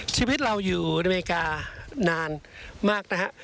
ชีวิตเราอยู่อเมริกานานมากนะฮะ